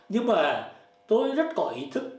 nhưng mà tôi rất có ý thức